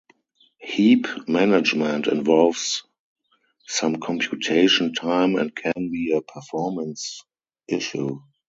Heap management involves some computation time and can be a performance issue.